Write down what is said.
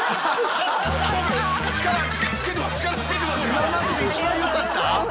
今までで一番よかった？